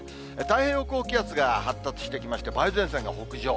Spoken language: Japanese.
太平洋高気圧が発達してきまして、梅雨前線が北上。